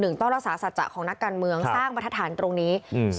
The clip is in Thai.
๑ต้องรักษาสรรค์จากของนักการเมืองสร้างประทัดฐานตรงนี้